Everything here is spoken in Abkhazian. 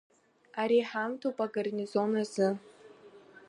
Ари ҳамҭоуп агарнизон азы!